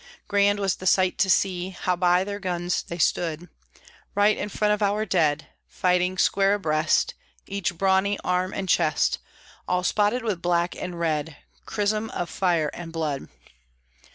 Grand was the sight to see How by their guns they stood, Right in front of our dead, Fighting square abreast Each brawny arm and chest All spotted with black and red, Chrism of fire and blood!